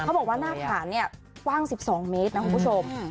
คือเขาบอกว่าหน้าผ่าเนี่ยว่าง๑๒เมตรนะคุณผู้ชม